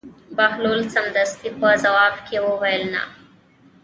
بهلول سمدستي په ځواب کې وویل: نه.